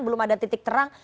belum ada titik terang